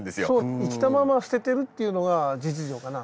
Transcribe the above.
生きたまま捨ててるっていうのが実情かな。